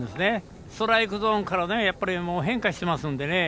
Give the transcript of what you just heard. ストライクゾーンから変化していますのでね。